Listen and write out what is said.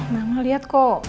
mama lihat kok